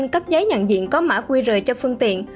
cấp giấy nhận diện có mã quy rời cho phương tiện